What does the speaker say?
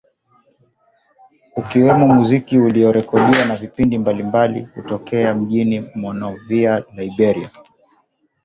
kukiwemo muziki uliorekodiwa na vipindi mbalimbali kutokea mjini Monrovia, Liberia